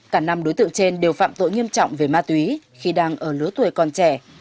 cả năm đối tượng trên đều phạm tội nghiêm trọng về ma túy khi đang ở lứa tuổi còn trẻ